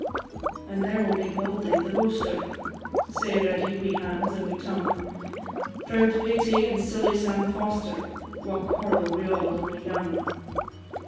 And there will be Bauldy, the boaster, Sae ready wi' hands and wi' tongue; Proud Paty and silly Sam Foster, Wha quarrel wi' auld and wi' young.